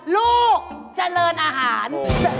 ลูกเจริญอาหาร